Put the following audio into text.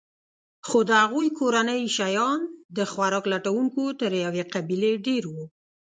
خو د هغوی کورنۍ شیان د خوراک لټونکو تر یوې قبیلې ډېر وو.